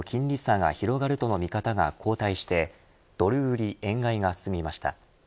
日米の金利差が広がるとの見方が後退してドル売り円買いが進みました。